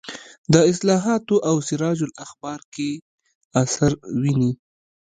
د اصلاحاتو او سراج الاخبار کې اثر ویني.